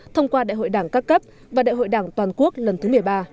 thông qua đại hội đảng các cấp và đại hội đảng toàn quốc lần thứ một mươi ba